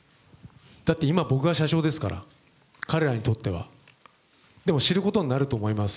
だって今、僕が社長ですから、彼らにとっては。でも、知ることになると思います。